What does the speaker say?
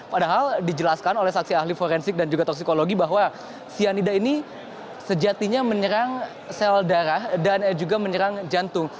padahal dijelaskan oleh saksi ahli forensik dan juga toksikologi bahwa cyanida ini sejatinya menyerang sel darah dan juga menyerang jantung